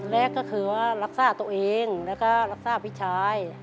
แรกก็คือว่ารักษาตัวเองแล้วก็รักษาพี่ชาย